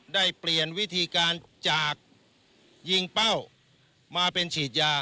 ได้เปลี่ยนวิธีการจากยิงเป้ามาเป็นฉีดยา